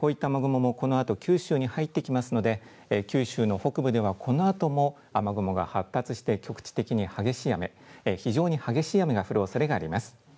こうした雨雲もこのあと九州に入ってきますので、九州の北部ではこのあとも雨雲が発達して、局地的に激しい雨、非常に激しい雨が降るおそれがあります。